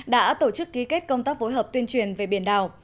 đã tổ chức ký kết công tác phối hợp tuyên truyền về biển đảo